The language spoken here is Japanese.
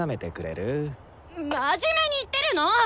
真面目に言ってるの！